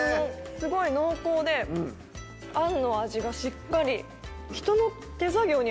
すごい濃厚で餡の味がしっかり。